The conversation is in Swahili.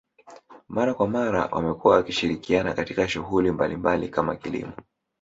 Mara kwa mara wamekuwa wakishirikiana katika shughuli mbalimbali kama kilimo